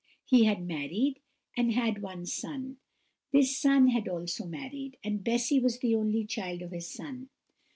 He had married, and had one son; this son had also married, and Bessy was the only child of this son.